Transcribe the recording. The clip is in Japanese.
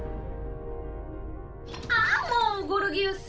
ああもうゴルギウス。